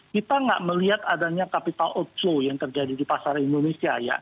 kita nggak melihat adanya capital outflow yang terjadi di pasar indonesia ya